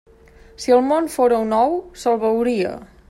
Si el món fóra un ou, se'l beuria.